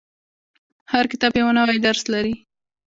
• هر کتاب یو نوی درس لري.